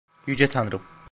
Yüce Tanrım.